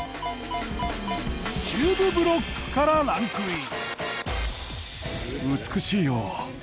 中部ブロックからランクイン。